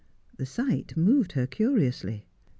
The sight moved her curiously.